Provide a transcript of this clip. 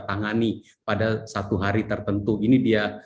tangani pada satu hari tertentu ini dia